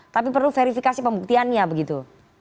tapi perlu verifikasi pembuktiannya begitu